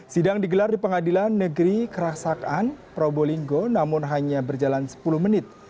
sidang digelar di pengadilan negeri kerasakan probolinggo namun hanya berjalan sepuluh menit